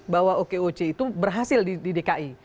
bahwa okoc itu berhasil di dki